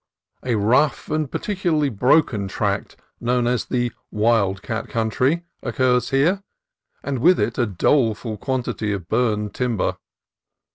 A rough and peculiarly broken tract, known as "the Wild Cat Country," occurs here, and with it a doleful quantity of burned timber.